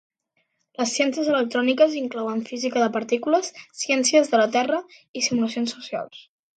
Les ciències electròniques inclouen física de partícules, ciències de la terra i simulacions socials.